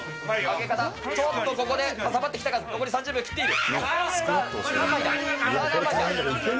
ちょっとここでかさばってきたか、残り３０秒切っている。